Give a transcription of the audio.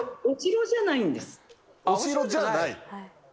お城じゃないんです。